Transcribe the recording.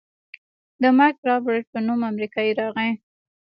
د مايک رابرټ په نوم امريکايي راغى.